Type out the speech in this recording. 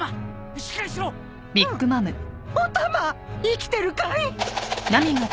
生きてるかい！？